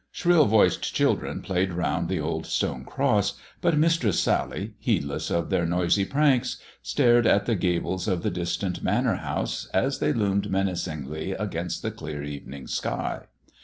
Shrill voiced children played round the old stone cross, but Mistress Sally, heedless of their noisy pranks, stared at the gables of the distant Manor House as they loomed menacingly against the clear evening sky.